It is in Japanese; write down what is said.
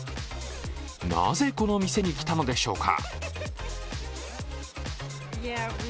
なぜこの店に来たのでしょうか。